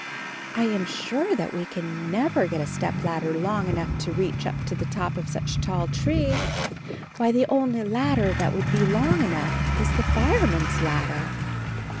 I am sure that we can never get a stepladder long enough to reach up to the top of such a tall tree. Why, the only ladder that would be long enough is the fireman's ladder!"